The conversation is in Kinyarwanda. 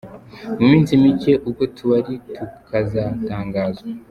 Mu minsi micye, utwo tubari, tukazatangazwa.